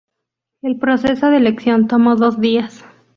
El proceso de elección tomó dos días.